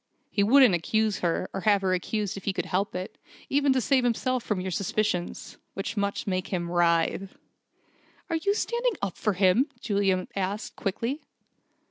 He wouldn't accuse her, or have her accused if he could help it, even to save himself from your suspicions, which must make him writhe!" "Are you standing up for him?" Juliet asked, quickly.